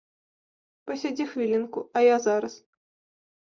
Пасядзі хвілінку, а я зараз.